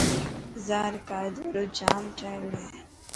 مزار قائد جام وڏو ٺهيل هي.